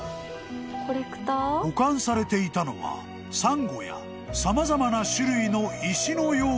［保管されていたのはサンゴや様々な種類の石のようなもの］